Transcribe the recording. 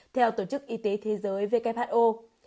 theo tổ chức y tế thế giới who